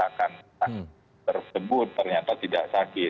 akan tersebut ternyata tidak sakit